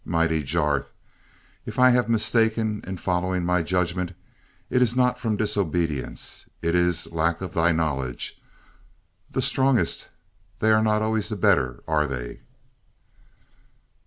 Mighty Jarth, if I have mistaken in following my judgments, it is not from disobedience, it is lack of Thy knowledge. The strongest they are not always the better, are they?"